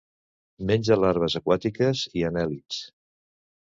Menja larves aquàtiques i anèl·lids.